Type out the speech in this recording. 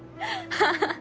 あハハハ。